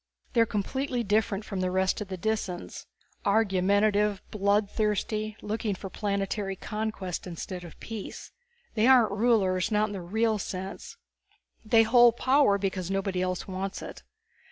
They are completely different from the rest of the Disans. Argumentative, blood thirsty, looking for planetary conquest instead of peace. They aren't rulers, not in the real sense. They hold power because nobody else wants it.